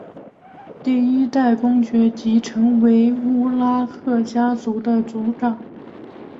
第一代公爵即成为乌拉赫家族的族长。